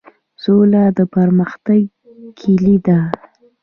سوله د پرمختګ کیلي ده؟